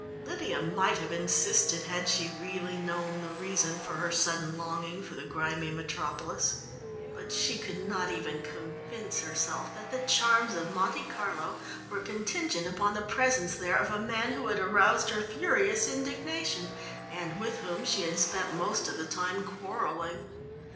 Lydia might have insisted, had she really known the reason for her sudden longing for the grimy metropolis. But she could not even convince herself that the charms of Monte Carlo were contingent upon the presence there of a man who had aroused her furious indignation and with whom she had spent most of the time quarrelling.